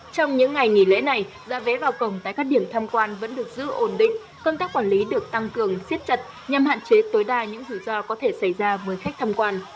trong những ngày nghỉ lễ này ra vé vào cổng tại các điểm thăm quan vẫn được giữ ổn định công tác quản lý được tăng cường siết chặt nhằm hạn chế tối đa những rủi ro có thể xảy ra với khách tham quan